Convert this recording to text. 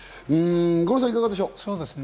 五郎さん、いかがでしょう？